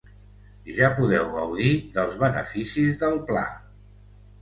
Ja podeu gaudir dels beneficis del pla.